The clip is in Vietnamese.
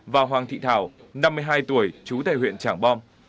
và hoàng thị thảo năm mươi hai tuổi trú tại huyện trảng bom